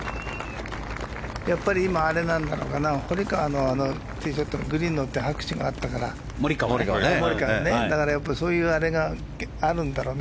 やっぱり今、あれなのかなモリカワのティーショットでグリーンに乗って拍手が起こったからそういうあれがあるんだろうね。